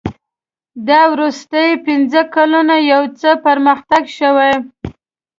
دا وروستي پنځه کلونه یو څه پرمختګ شوی.